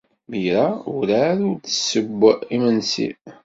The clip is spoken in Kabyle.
Mira werɛad ur d-tesseww imensi.